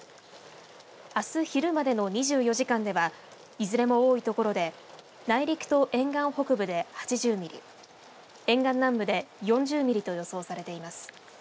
あす昼までの２４時間ではいずれも多い所で内陸と沿岸北部で８０ミリ、沿岸南部で４０ミリと予想されています。